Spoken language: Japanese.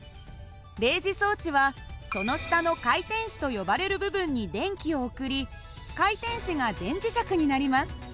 励磁装置はその下の回転子と呼ばれる部分に電気を送り回転子が電磁石になります。